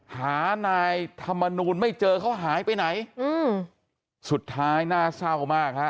หานายธรรมนูลไม่เจอเขาหายไปไหนอืมสุดท้ายน่าเศร้ามากฮะ